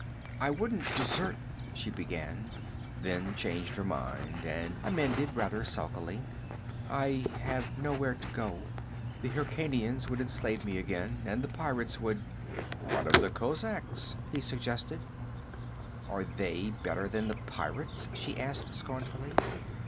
'I wouldn't desert ' she began, then changed her mind, and amended rather sulkily, 'I have nowhere to go. The Hyrkanians would enslave me again, and the pirates would ' 'What of the kozaks?' he suggested. 'Are they better than the pirates?' she asked scornfully.